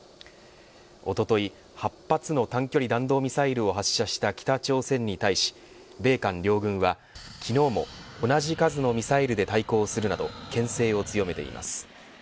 おととい８発の短距離弾道ミサイルを発射した北朝鮮に対し米韓両軍は昨日も同じ数のミサイルで対抗するなどけん制を強めています。